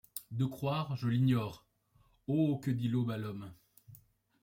De croire, je l’ignore : Oh ! que dit l’aube à l’homme ?